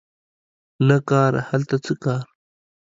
نه کار هلته څه کار